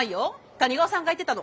谷川さんが言ってたの。